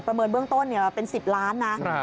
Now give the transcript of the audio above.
เมินเบื้องต้นเป็น๑๐ล้านนะ